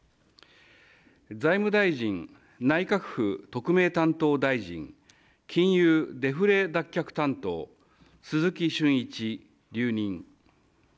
財務大臣、内閣府特命担当大臣、金融デフレ脱却担当、鈴木俊一留任。